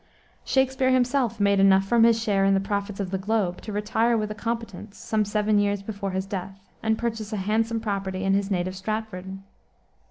Shakspere himself made enough from his share in the profits of the Globe to retire with a competence, some seven years before his death, and purchase a handsome property in his native Stratford.